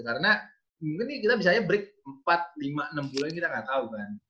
karena mungkin kita bisa aja break empat lima enam bulan kita gak tau kan